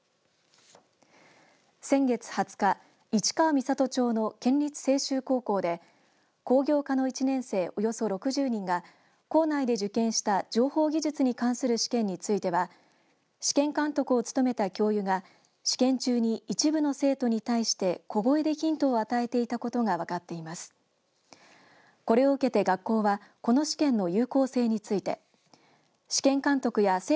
先月２０日市川三郷町の県立青洲高校で工業科の１年生およそ６０人が校内で受検した情報技術に関する試験については試験監督を務めた教諭が試験中に一部の生徒に対して小声でヒントを与えていたことが分かっています。